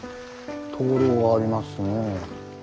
灯籠がありますね。